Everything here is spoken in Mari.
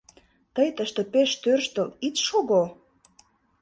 — Тый тыште пеш тӧрштыл ит шого!